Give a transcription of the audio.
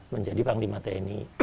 menjadi pengelima tni